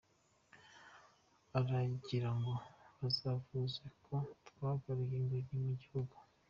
Uragirango bazavuge ko twagaruye ingoyi mu gihugu?